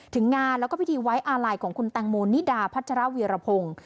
ถึงงานแล้วก็พิธีไว้อาลัยของคุณแตงโมนิดาพัชรวีรพงศ์